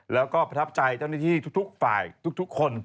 แล้วก็ประทับใจเจ้าหน้าที่ทุกฝ่ายทุกคน